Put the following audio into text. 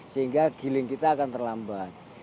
sehingga giling kita akan terlambat